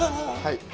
はい。